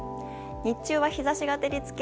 日中は日差しが照り付け